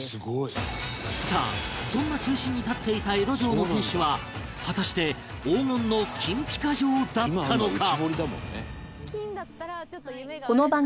さあそんな中心に立っていた江戸城の天守は果たして黄金の金ピカ城だったのか？